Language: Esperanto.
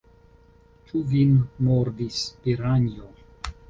Ĉu vin mordis piranjo?